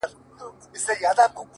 • ستا د پښې پايزيب مي تخنوي گلي،